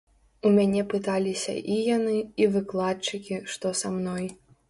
У мяне пыталіся і яны, і выкладчыкі, што са мной.